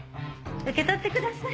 受け取ってください。